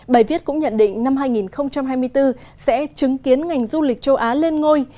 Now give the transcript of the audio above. bài viết cũng nhận định năm hai nghìn hai mươi bốn sẽ chứng kiến ngành du lịch châu á lên ngôi